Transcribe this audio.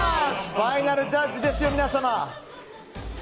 ファイナルジャッジです。